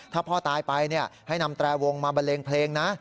ถ้าพ่อตายไปให้นำแตรวงมาบันเลงเพลงนะ